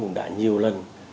cũng đã nhiều lần